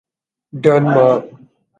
Denmark